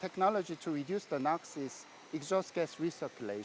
teknologi pertama untuk mengurangkan nuklir adalah